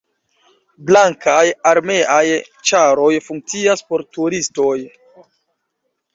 Blankaj armeaj ĉaroj funkcias por turistoj.